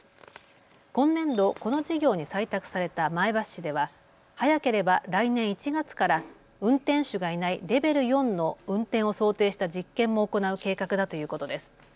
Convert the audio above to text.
今年度、この事業に採択された前橋市では早ければ来年１月から運転手がいないレベル４の運転を想定した実験も行う計画だということです。